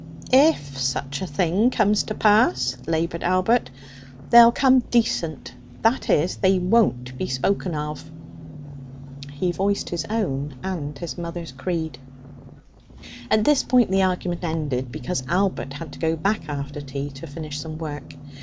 'If such a thing comes to pass,' laboured Albert, 'they'll come decent, that is, they won't be spoken of.' He voiced his own and his mother's creed. At this point the argument ended, because Albert had to go back after tea to finish some work.